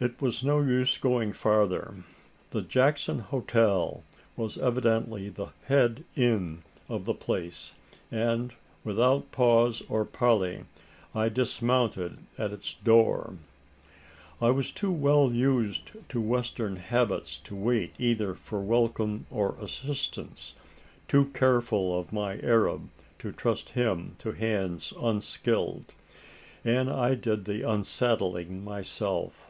It was no use going farther. The "Jackson Hotel" was evidently the "head inn" of the place; and without pause or parley, I dismounted at its door. I was too well used to western habits to wait either for welcome or assistance too careful of my Arab to trust him to hands unskilled and I did the unsaddling for myself.